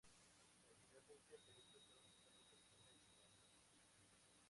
Posteriormente las películas fueron lanzadas de manera individual.